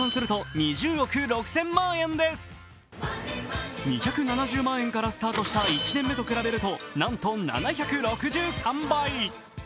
２７０万円からスタートした１年目と比べるとなんと７６３倍。